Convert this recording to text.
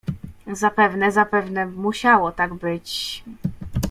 "Zapewne, zapewne, musiało tak być..."